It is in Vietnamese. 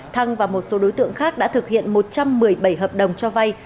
thăng và một số đối tượng khác đã thực hiện một trăm một mươi bảy hợp đồng cho vay